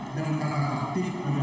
tidak berpunt ih